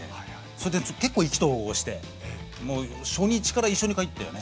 それで結構意気投合してもう初日から一緒に帰ったよね。